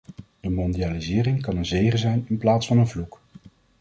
De mondialisering kan een zegen zijn in plaats van een vloek.